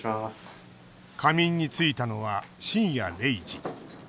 仮眠についたのは深夜０時。